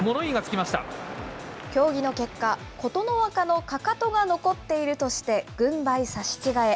協議の結果、琴ノ若のかかとが残っているとして、軍配差し違え。